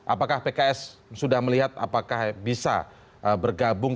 apakah pks sudah melihat apakah bisa bergabung